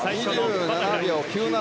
２７秒９７。